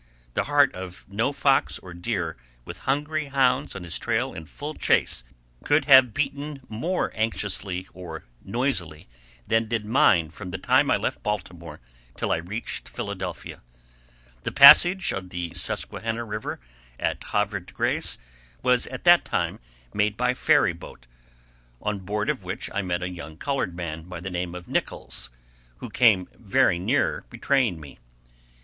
The heart of no fox or deer, with hungry hounds on his trail in full chase, could have beaten more anxiously or noisily than did mine from the time I left Baltimore till I reached Philadelphia. The passage of the Susquehanna River at Havre de Grace was at that time made by ferry boat, on board of which I met a young colored man by the name of Nichols, who came very near betraying me.